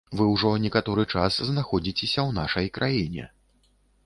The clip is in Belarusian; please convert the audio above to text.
Вы ўжо некаторы час знаходзіцеся ў нашай краіне.